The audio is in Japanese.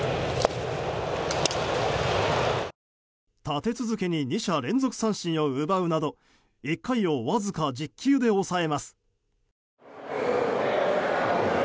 立て続けに２者連続三振を奪うなど１回をわずか１０球で抑えます。